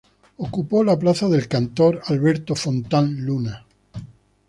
Ocupó la plaza del cantor Alberto Fontán Luna.